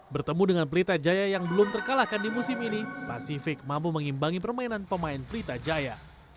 bertemu dengan pelita jaya yang belum terkalahkan di musim ini pasifik mampu mengimbangi permainan pemain pelita jaya